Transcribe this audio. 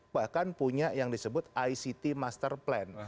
bahkan punya yang disebut ict master plan